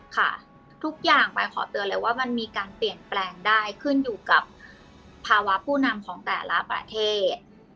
ค่ะทุกอย่างไปขอเตือนเลยว่ามันมีการเปลี่ยนแปลงได้ขึ้นอยู่กับภาวะผู้นำของแต่ละประเทศ